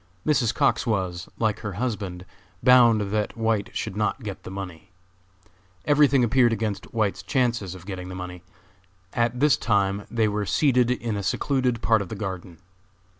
Mrs. Cox was, like her husband, bound that White should not get the money. Every thing appeared against White's chances of getting the money. At this time they were seated in a secluded part of the garden.